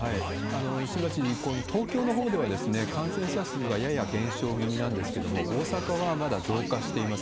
吉村知事、東京のほうでは感染者数はやや減少気味なんですけど、大阪はまだ増加しています。